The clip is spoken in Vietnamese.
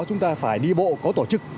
chúng ta phải đi bộ có tổ chức